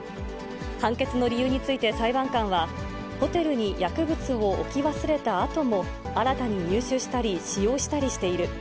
判決の理由について裁判官は、ホテルに薬物を置き忘れたあとも、新たに入手したり使用したりしている。